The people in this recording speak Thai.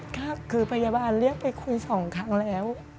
ก็คือพยาบาลเรียกไปคุยสองครั้งแล้ว